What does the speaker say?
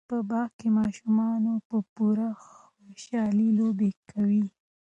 په باغ کې ماشومان په پوره خوشحۍ لوبې کوي.